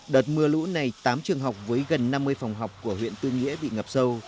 đợt mưa lũ này tám trường học với gần năm mươi phòng học của huyện tư nghĩa bị ngập sâu